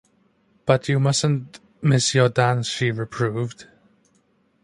“But you mustn’t miss your dance,” she reproved.